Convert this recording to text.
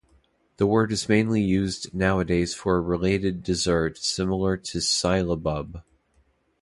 The word is mainly used nowadays for a related dessert similar to syllabub.